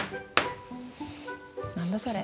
何だそれ？